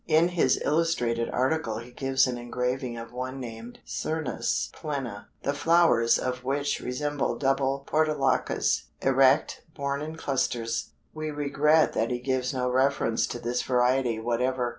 In his illustrated article he gives an engraving of one named Cernuus plena, the flowers of which resemble double Portulacas; erect, borne in clusters. We regret that he gives no reference to this variety whatever.